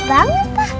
udah sampai kita